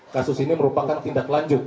kasus ini merupakan tindak lanjut